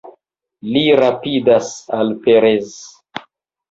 Li rapidas al Perez.